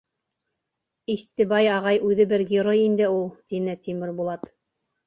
— Истебай ағай үҙе бер герой инде ул, — тине Тимербулат.